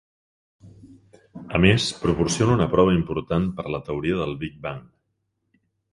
A més, proporciona una prova important per a la teoria del big bang.